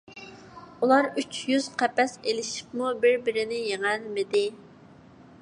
ئۇلار ئۈچ يۈز قەپەس ئېلىشىپمۇ بىر - بىرىنى يېڭەلمىدى.